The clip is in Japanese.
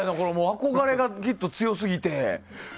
憧れが、きっと強すぎて。